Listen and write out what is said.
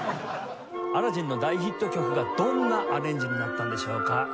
『アラジン』の大ヒット曲がどんなアレンジになったんでしょうか？